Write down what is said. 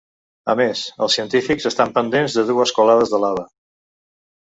A més, els científics estan pendents de dues colades de lava.